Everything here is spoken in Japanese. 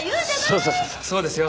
そうそうそうそうですよ